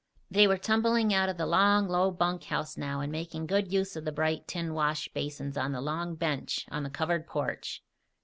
They were tumbling out of the long, low bunkhouse now and making good use of the bright tin washbasins on the long bench on the covered porch.